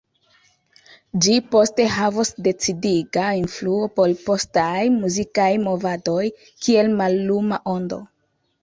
Ĝi poste havos decidiga influo por postaj muzikaj movadoj kiel malluma ondo.